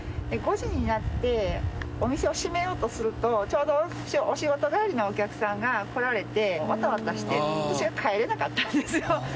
５時になってお店を閉めようとするとちょうどお仕事帰りのお客さんが来られてわたわたして私が帰れなかったんですよ。